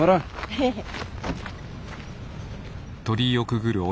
ヘヘッ。